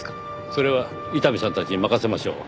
それは伊丹さんたちに任せましょう。